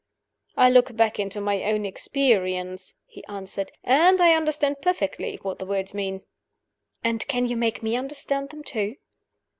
"I look back into my own experience," he answered, "and I understand perfectly what the words mean." "And can you make me understand them too?"